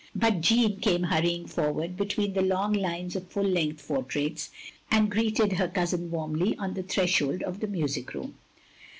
But Jeanne came hunying forward between the long lines of full length portraits, and greeted her cousin warmly on the threshold of the music room.